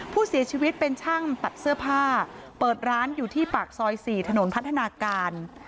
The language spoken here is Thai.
ผู้เสียชีวิตเป็นช่างตัดเสื้อผ้าเปิดร้านอยู่ที่ปากซอย๔ถนนพัฒนาการ